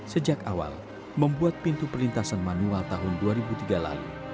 sejak awal membuat pintu perlintasan manual tahun dua ribu tiga lalu